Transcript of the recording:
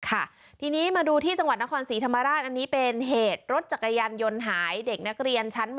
ค่ะทีนี้มาดูที่จังหวัดนครศรีธรรมราชอันนี้เป็นเหตุรถจักรยานยนต์หายเด็กนักเรียนชั้นม๔